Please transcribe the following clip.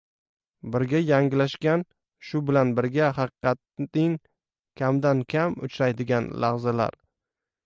birga yanglishgan, shu bilan birga, haqiqatning kamdan-kam uchraydigan lahzalar